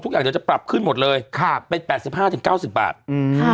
เดี๋ยวจะปรับขึ้นหมดเลยค่ะเป็นแปดสิบห้าถึงเก้าสิบบาทอืมค่ะ